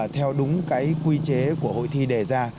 theo đúng quy chế của hội thi đề ra